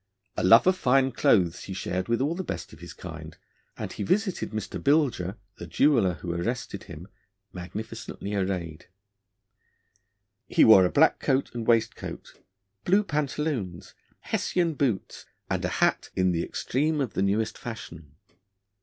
A love of fine clothes he shared with all the best of his kind, and he visited Mr Bilger the jeweller who arrested him magnificently arrayed. He wore a black coat and waistcoat, blue pantaloons, Hessian boots, and a hat 'in the extreme of the newest fashion.'